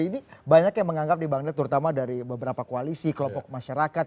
jadi ini banyak yang menganggap di bang niel terutama dari beberapa koalisi kelompok masyarakat